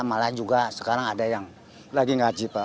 malah juga sekarang ada yang lagi ngaji pak